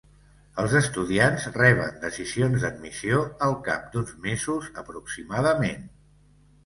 Els estudiants reben decisions d'admissió al cap d'uns mesos, aproximadament.